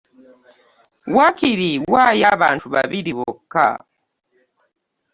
Waakiri waayo abantu babiri bokka.